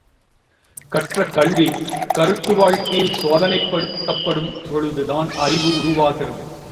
கற்ற கல்வி கருத்து வாழ்க்கையில் சோதனைப்படுத்தப்படும் பொழுது தான் அறிவு உருவாகிறது.